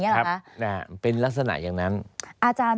ใช่ครับเป็นลักษณะข้าเสียหาย